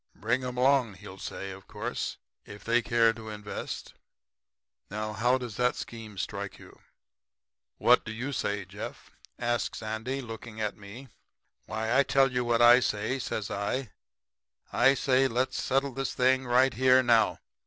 "'"Bring 'em along," he'll say, of course, "if they care to invest." Now, how does that scheme strike you?' "'What do you say, Jeff?' says Andy, looking at me. "'Why, I'll tell you what I say,' says I. 'I say let's settle this thing right here now.